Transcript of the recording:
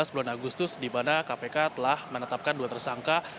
dua ribu tujuh belas bulan agustus di mana kpk telah menetapkan dua tersangka